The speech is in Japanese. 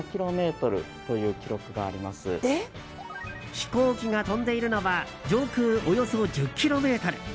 飛行機が飛んでいるのは上空およそ１０ｋｍ。